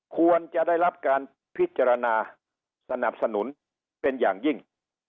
ควรจะได้รับการพิจารณาสนับสนุนเป็นอย่างยิ่ง